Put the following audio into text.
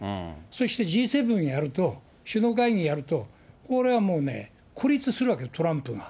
そしてＧ７やると、首脳会議やると、これはもうね、孤立するわけよ、トランプが。